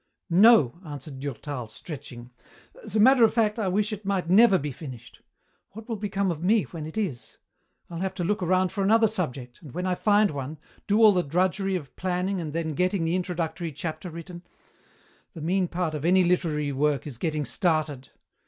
"No," answered Durtal, stretching. "As a matter of fact I wish it might never be finished. What will become of me when it is? I'll have to look around for another subject, and, when I find one, do all the drudgery of planning and then getting the introductory chapter written the mean part of any literary work is getting started.